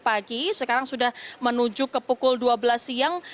tadi dibuka dari pukul sembilan pagi sekarang sudah menuju ke pukul dua belas siang